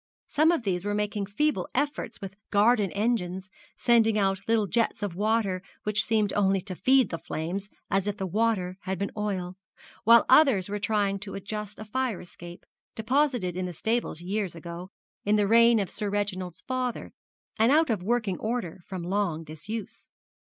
Some of these were making feeble efforts with garden engines, sending out little jets of water which seemed only to feed the flames as if the water had been oil, while others were trying to adjust a fire escape, deposited in the stables years ago, in the reign of Sir Reginald's father, and out of working order from long disuse.